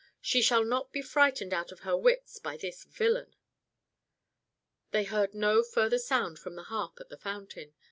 She shall not be frightened out of her wits by this villain." They heard no further sound from the harp at the fountain.